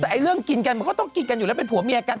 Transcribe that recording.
แต่เรื่องกินกันมันก็ต้องกินกันอยู่แล้วเป็นผัวเมียกัน